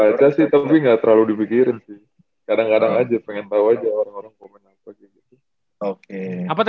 dibaca sih tapi gak terlalu dipikirin sih kadang kadang aja pengen tau aja orang orang komen apa gitu